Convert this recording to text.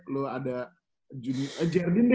lo ada junior ah jardine deh